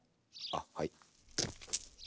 あっはい。